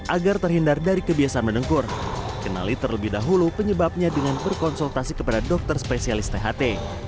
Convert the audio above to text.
agar terhindar dari kebiasaan mendengkur kenali terlebih dahulu penyebabnya dengan berkonsultasi kepada dokter spesialis tht